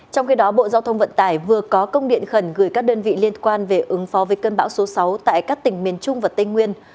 trong khi đó bộ giao thông vận tải vừa có công điện khẩn gửi các đơn vị liên quan về ứng phó với cơn bão số sáu tại các tỉnh miền trung và tây nguyên